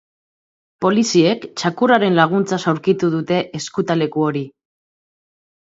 Poliziek txakurren laguntzaz aurkitu dute ezkutaleku hori.